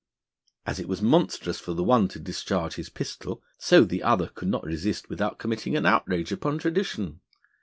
As it was monstrous for the one to discharge his pistol, so the other could not resist without committing an outrage upon tradition.